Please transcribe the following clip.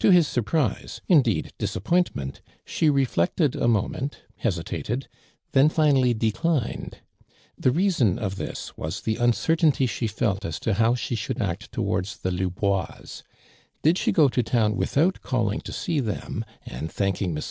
To his surprise, indeed, disap pointment, she reflected a moment, hesita ted, then finally declined. The reason of this was the uncertainty she felt as to how she should act towanls the Lubois. Did she go to town without calling to see them, and thanking Mi's.